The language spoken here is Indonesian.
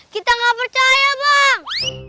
kita gak percaya bang